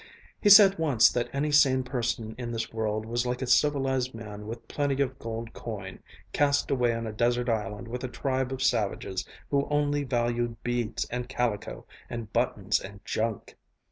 He said once that any sane person in this world was like a civilized man with plenty of gold coin, cast away on a desert island with a tribe of savages who only valued beads and calico, and buttons and junk.